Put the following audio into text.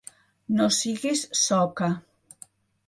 No siguis soca.